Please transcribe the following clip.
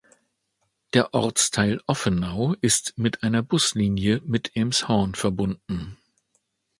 Der Ortsteil Offenau ist mit einer Buslinie mit Elmshorn verbunden.